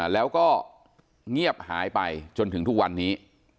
แล้วก็เงียบหายไปจนถึงทุกวันนี้